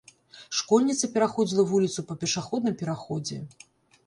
Школьніца пераходзіла вуліцу па пешаходным пераходзе.